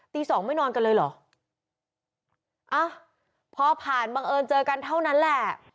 สองไม่นอนกันเลยเหรออ่ะพอผ่านบังเอิญเจอกันเท่านั้นแหละ